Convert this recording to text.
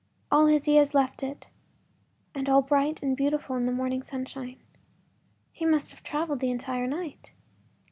All is as he left it, and all bright and beautiful in the morning sunshine. He must have traveled the entire night.